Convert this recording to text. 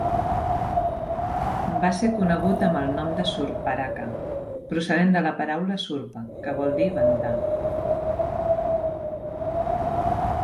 Va ser conegut amb el nom de "Surparaka", procedent de la paraula "Surpa" que vol dir ventar.